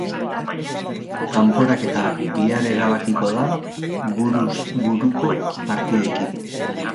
Kanporaketa bihar erabakiko da buruz buruko partidekin.